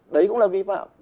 đấy cũng là vi phạm